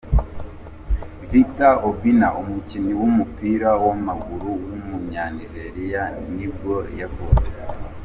Victor Obinna, umukinnyi w’umupira w’amaguru w’umunya-Nigeriya nibwo yavutse.